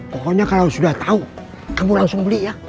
pokoknya kalau sudah tahu kamu langsung beli ya